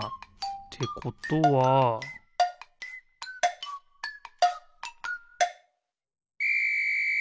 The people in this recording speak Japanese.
ってことはピッ！